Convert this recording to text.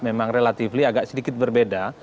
memang relatif agak sedikit berbeda